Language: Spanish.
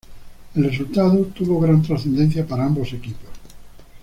El resultado tuvo gran trascendencia para ambos equipos.